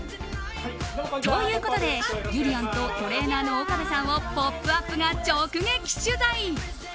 ということで、ゆりやんとトレーナーの岡部さんを「ポップＵＰ！」が直撃取材。